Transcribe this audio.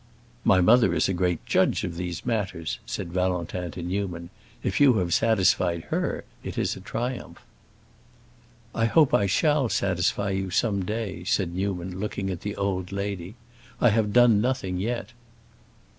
"My mother is a great judge of these matters," said Valentin to Newman. "If you have satisfied her, it is a triumph." "I hope I shall satisfy you, some day," said Newman, looking at the old lady. "I have done nothing yet."